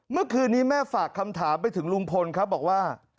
เมื่อคืนนี้แม่ฝากคำถามไปถึงลุงพลครับบอกว่า